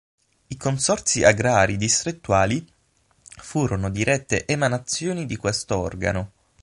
I Consorzi agrari distrettuali furono dirette emanazioni di questo organo.